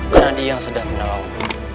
karena dia yang sedang menolongmu